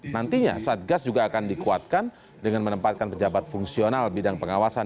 nantinya satgas juga akan dikuatkan dengan menempatkan pejabat fungsional bidang pengawasan